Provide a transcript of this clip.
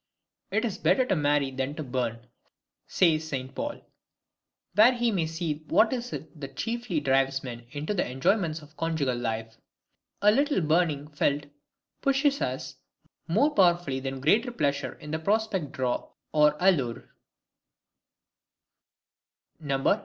'It is better to marry than to burn,' says St. Paul, where we may see what it is that chiefly drives men into the enjoyments of a conjugal life. A little burning felt pushes us more powerfully than greater pleasure in prospect draw or allure.